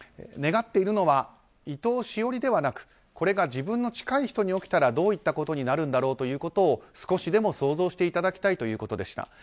願っているのは伊藤詩織ではなくこれが自分の近い人たちに起きたらどういったことになるんだろうということを少しでも想像していただきたいということでした。